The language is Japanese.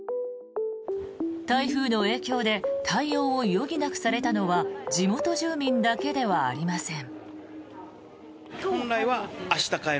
台風の影響で対応を余儀なくされたのは地元住民だけではありません。